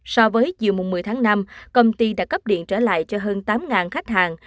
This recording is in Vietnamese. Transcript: so với chiều một mươi tháng năm công ty đã cấp điện trở lại cho hơn tám khách hàng